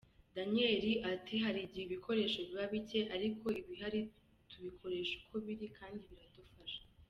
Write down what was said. Daniel ati” Hari igihe ibikoresho biba bike ariko ibihari tubikoresha uko biri kandi biradufasha.